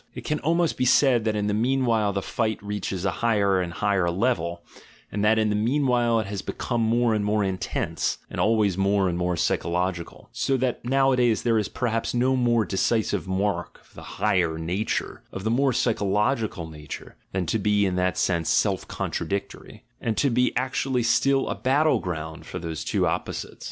It can almost be said that in the meanwhile the fight reaches a higher and higher level, and that in the meanwhile it has be come more and more intense, and always more and more psychological; so that nowadays there is perhaps no more decisive mark of the higher nature, of the more psycho logical nature, than to be in that sense self contradictory, and to be actually still a battleground for those two opposites.